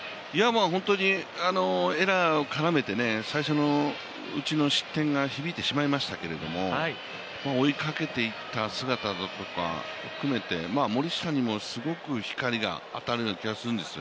本当にエラーを絡めて最初の内の失点が響いてしまいましたけれども追いかけていった姿だとか含めて森下にもすごく光が当たるような気がするんです。